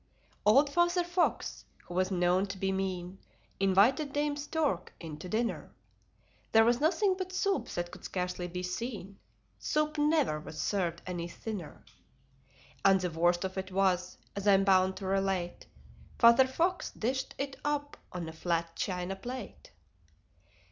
Old Father Fox, who was known to be mean, Invited Dame Stork in to dinner. There was nothing but soup that could scarcely be seen: Soup never was served any thinner. And the worst of it was, as I'm bound to relate, Father Fox dished it up on a flat china plate.